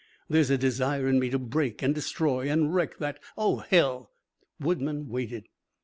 There's a desire in me to break and destroy and wreck that oh, hell " Woodman waited.